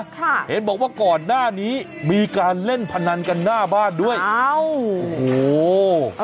เห็นบอกว่าก่อนหน้านี้มีการเล่นพนันกันหน้าบ้านด้วยอ้าวโอ้โห